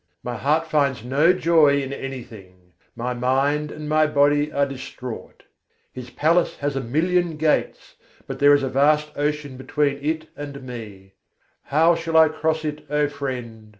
My heart finds no joy in anything: my mind and my body are distraught. His palace has a million gates, but there is a vast ocean between it and me: How shall I cross it, O friend?